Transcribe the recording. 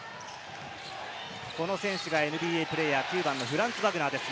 この選手がＮＢＡプレーヤー、９番のフランツ・バグナーです。